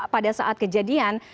pada saat kejadian